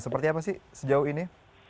seperti apa sih sejauh ini